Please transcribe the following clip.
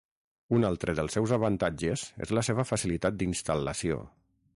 Un altre dels seus avantatges és la seva facilitat d'instal·lació.